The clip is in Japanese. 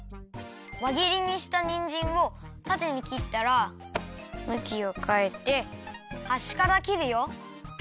わぎりにしたにんじんをたてに切ったらむきをかえてはしから切るよ。